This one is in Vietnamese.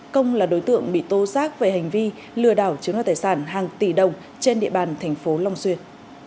công là đối tượng bị tô xác về hành vi lừa đảo chiếm đoàn tài sản hàng tỷ đồng trên địa bàn thành phố long xuyên